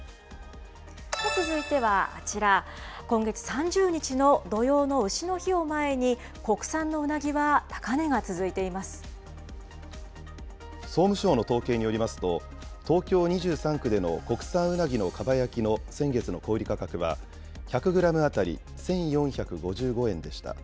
続いてはこちら、今月３０日の土用のうしの日を前に、国産のうなぎは高値が続いて総務省の統計によりますと、東京２３区での国産うなぎのかば焼きの先月の小売り価格は、１００グラム当たり１４５５円でした。